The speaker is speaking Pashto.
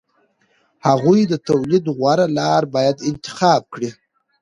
هغوی د تولید غوره لار باید انتخاب کړي